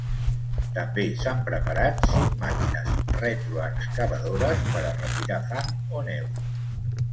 També s’han preparat cinc màquines retroexcavadores per a retirar fang o neu.